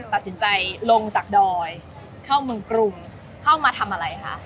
ตัดสินใจลงจากดอยเข้าเมืองกรุงเข้ามาทำอะไรคะ